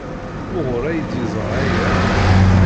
Wuɣur ay d-yeẓra aya?